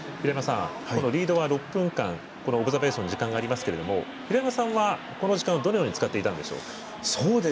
リードは６分間オブザベーションの時間がありますが平山さんは、この時間どのように使っていたんでしょうか？